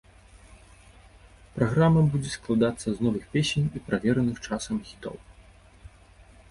Праграма будзе складацца з новых песень і правераных часам хітоў.